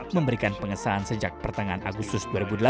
memberikan pengesahan sejak pertengahan agustus dua ribu delapan belas